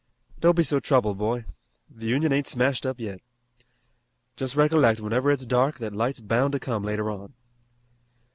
Don't be so troubled, boy. The Union ain't smashed up yet. Just recollect whenever it's dark that light's bound to come later on.